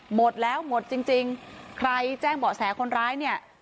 หมดแล้วหมดจริงจริงใครแจ้งเบาะแสคนร้ายเนี่ย